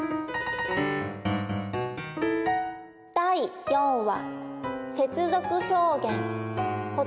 第４話。